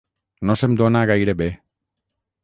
No se'm dona gaire bé.